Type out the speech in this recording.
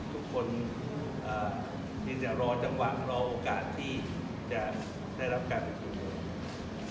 ทุกคนมีแต่รอจังหวะรอโอกาสที่จะได้รับการประชุม